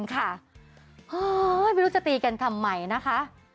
ไม่รู้จะตีกันทำไมนะคะ